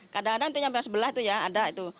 kadang kadang itu sampai sebelah itu ya ada itu